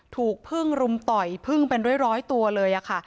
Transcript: ถูกพึ่งรุมต่อยพึ่งเป็นร้อยตัวเลยค่ะ